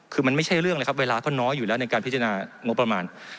คือมันไม่ใช่เรื่องเลยครับเวลาก็น้อยอยู่แล้วในการพิจารณางบประมาณ